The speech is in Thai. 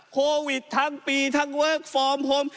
โควิดทั้งปีทั้งเวิร์คฟอร์มโฮม